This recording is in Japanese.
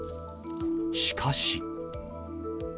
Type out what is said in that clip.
しかし。